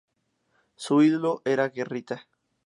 Su ídolo era Guerrita.